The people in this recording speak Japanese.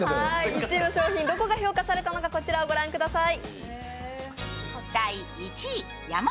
１位の商品、どこが評価されたのかこちらをご覧ください。